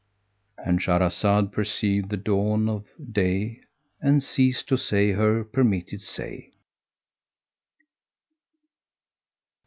"—And Shahrazad perceived the dawn of day and ceased to say her permitted say.